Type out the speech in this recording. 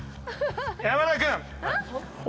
山田君。